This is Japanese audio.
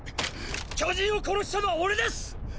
巨人を殺したのは俺です！！